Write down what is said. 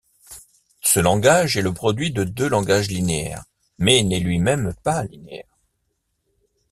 Ce langage est le produit de deux langages linéaires, mais n'est lui-même pas linéaire.